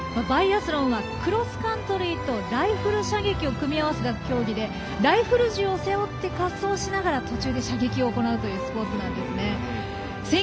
バイアスロンはクロスカントリーとライフル射撃を組み合わせた競技でライフル銃を背負って滑走しながら途中で射撃を行うというスポーツなんですね。